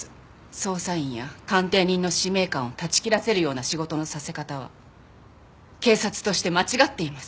捜査員や鑑定人の使命感を断ち切らせるような仕事のさせ方は警察として間違っています。